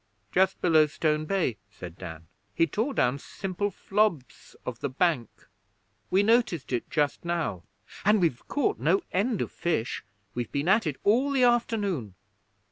'Just below Stone Bay,' said Dan. 'He tore down simple flobs of the bank! We noticed it just now. And we've caught no end of fish. We've been at it all the afternoon.'